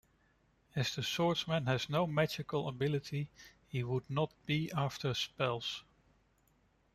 As the Swordsman has no magical ability he would not be after spells.